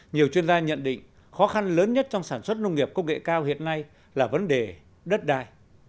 nhiều chuyên gia nhận định khó khăn lớn nhất trong sản xuất nông nghiệp công nghệ cao hiện nay là vấn đề đất đai